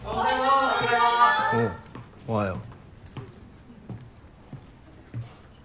おうおはよう。